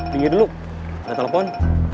tinggi dulu gak telepon